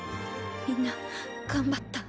みんな頑張った。